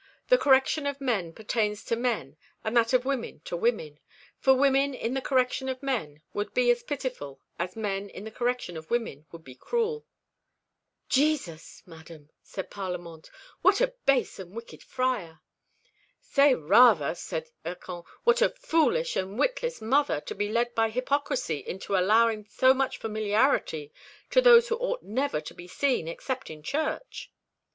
The correction of men pertains to men and that of women to women; for women in the correction of men would be as pitiful as men in the correction of women would be cruel." "Jesus! madam," said Parlamente, "what a base and wicked Friar!" "Say rather," said Hircan, "what a foolish and witless mother to be led by hypocrisy into allowing so much familiarity to those who ought never to be seen except in church."